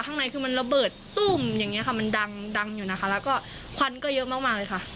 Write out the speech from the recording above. ข้างในคือมันระเบิดตุ้มอย่างเงี้ค่ะมันดังดังอยู่นะคะแล้วก็ควันก็เยอะมากมากเลยค่ะ